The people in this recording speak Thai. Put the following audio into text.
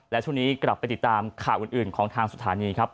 และช่วงนี้กลับไปติดตามข่าวอื่นของทางสถานีครับ